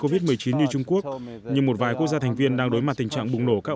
covid một mươi chín như trung quốc nhưng một vài quốc gia thành viên đang đối mặt tình trạng bùng nổ các